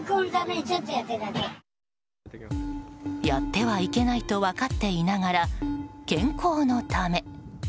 やってはいけないと分かっていながら健康のため。